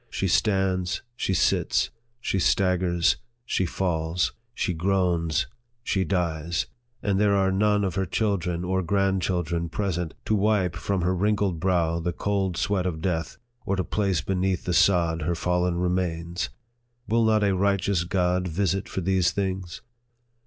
She stands she sits she staggers she falls she groans she dies and there are none of her chil dren or grandchildren present, to wipe from her wrinkled brow the cold sweat of death, or to place beneath the sod her fallen remains. Will not a right eous God visit for these things